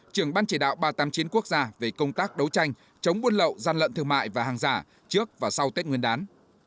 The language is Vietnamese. trưởng ban chỉ đạo ba trăm tám mươi chín quốc gia về công tác đấu tranh chống buôn lậu gian lận thương mại và hàng giả trước và sau tết nguyên đán